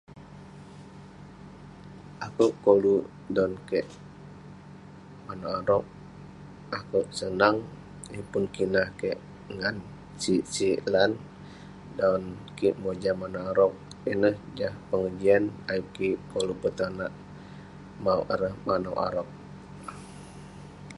Akouk koluk dan kek manouk arog. Akouk sonang yeng pun kinah kik ngan sik sik lan dan kik mojam manouk arog. Ineh jah pengejian ayuk kik koluk petonak, mauk ireh manouk arog.